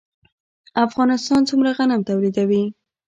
افغانستان څومره غنم تولیدوي؟